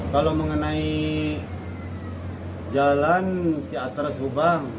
kalau mengenai jalan si atra subang